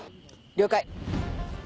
了解。